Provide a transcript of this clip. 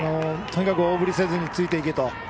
とにかく大振りせずについていけと。